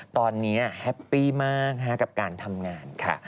ตอนนี้แฮปปี้มากกับการทำงานค่ะ